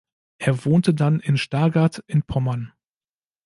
Er wohnte dann in Stargard in Pommern.